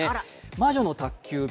「魔女の宅急便」